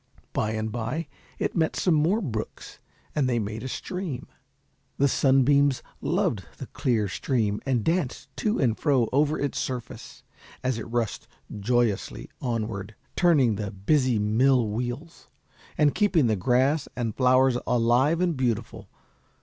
By and by it met some more brooks and they made a stream. The sunbeams loved the clear stream and danced to and fro over its surface, as it rushed joyously onward, turning the busy mill wheels, and keeping the grass and flowers alive and beautiful.